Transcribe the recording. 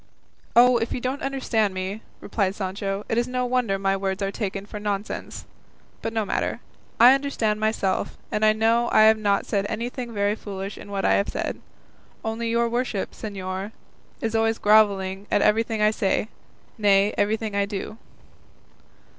"Oh, if you don't understand me," replied Sancho, "it is no wonder my words are taken for nonsense; but no matter; I understand myself, and I know I have not said anything very foolish in what I have said; only your worship, señor, is always gravelling at everything I say, nay, everything I do."